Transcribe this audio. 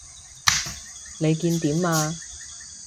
你見點啊？